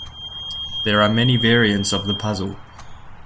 There are many variants of the puzzle.